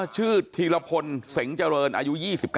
ชื่อธีรพลเสงจริงอายุ๒๙